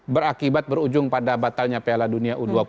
berakibat berujung pada batalnya piala dunia u dua puluh